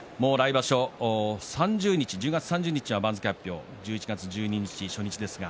１０月３０日は番付発表、１１月１２日初日ですね。